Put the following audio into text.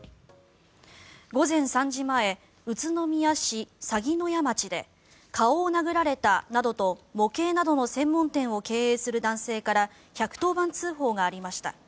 午前３時前宇都宮市鷺の谷町で顔を殴られたなどと模型などの専門店を経営する男性から１１０番通報がありました。